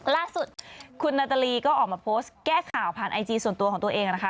ล่าสุดคุณนาตาลีก็ออกมาโพสต์แก้ข่าวผ่านไอจีส่วนตัวของตัวเองนะคะ